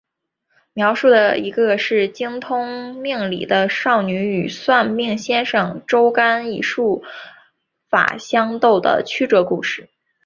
描述的是一个精通命理的少女与算命先生周干以术法相斗的曲折故事。